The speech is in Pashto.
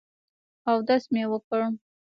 اودس مې وکړ.